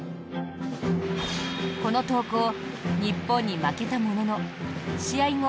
この投稿、日本に負けたものの試合後